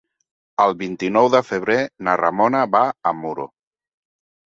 El vint-i-nou de febrer na Ramona va a Muro.